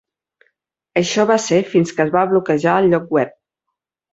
Això va ser fins que es va bloquejar el lloc web.